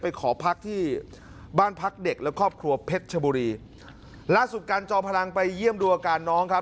ขอพักที่บ้านพักเด็กและครอบครัวเพชรชบุรีล่าสุดการจอมพลังไปเยี่ยมดูอาการน้องครับ